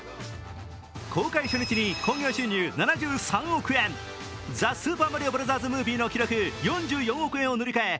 公開初日に興行収入７３億円「ザ・スーパーマリオブラザーズ・ムービー」の記録、４４億円を塗り替え